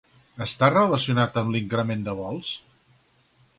Està relacionat amb l'increment de vols?